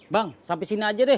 bang sampai sini aja deh